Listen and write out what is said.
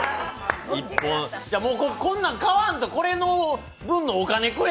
じゃ、もうこんなん買わんとそれの分のお金くれ！